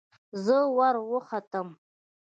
زه وروختم.